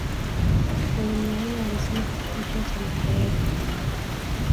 mwalimu Nyerere alisoma katika chuo cha makerere